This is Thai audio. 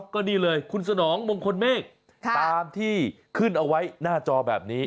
ก็นี่เลยคุณสนองมงคลเมฆตามที่ขึ้นเอาไว้หน้าจอแบบนี้